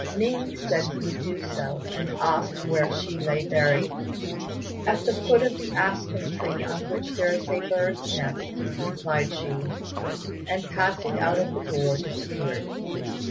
Ning said he would do so, and asked where she lay buried. "At the foot of the aspen tree on which there is a bird's nest," replied she; and passing out of the door, disappeared.